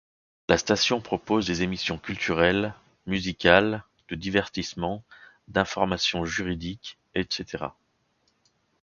La station propose des émissions culturelles, musicales, de divertissement, d'informations juridiques, etc.